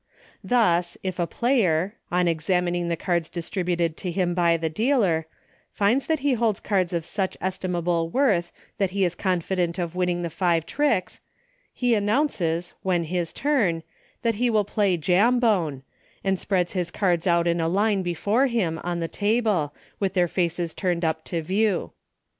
Thus, if a player, on examining the cards distributed to him by the dealer, finds that he holds cards of such estimable worth that he is confident of win ning the five tricks, he announces, when his turn, that he will play Jambone, and spreads his cards out in a line before him, on the table, with their faces turned up to view.